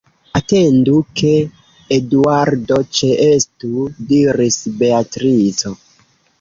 Atendu, ke Eduardo ĉeestu, diris Beatrico.